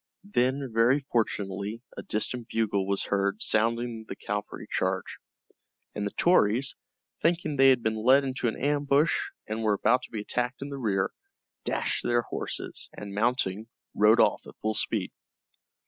Then very fortunately a distant bugle was heard sounding the cavalry charge, and the Tories, thinking they had been led into an ambush and were about to be attacked in the rear, dashed to their horses and, mounting, rode off at full speed.